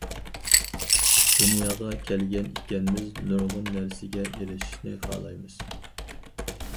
دۇنياغا كەلگەن ئىكەنمىز نۇرغۇن نەرسىگە ئېرىشىشنى خالايمىز.